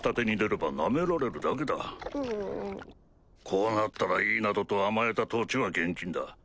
こうなったらいいなどと甘えた統治は厳禁だ。